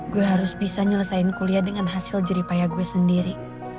gue harus bisa nyelesaikan kuliah dengan hasil jeripaya gue sendiri